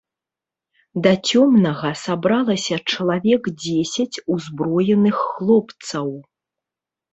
Да цёмнага сабралася чалавек дзесяць узброеных хлопцаў.